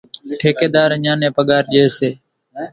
ٺيڪيۮار اينيان نين پڳار ڄيَ سي۔